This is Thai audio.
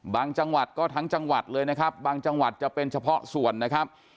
จังหวัดก็ทั้งจังหวัดเลยนะครับบางจังหวัดจะเป็นเฉพาะส่วนนะครับ